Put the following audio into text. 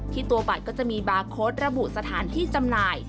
ตัวบัตรก็จะมีบาร์โค้ดระบุสถานที่จำหน่าย